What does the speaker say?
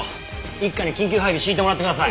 一課に緊急配備敷いてもらってください！